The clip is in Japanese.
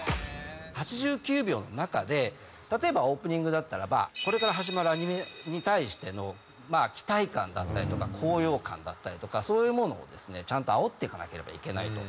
８９秒の中で例えばオープニングだったらばこれから始まるアニメに対しての期待感だったりとか高揚感だったりとかそういうものをですねちゃんとあおっていかなければいけないと。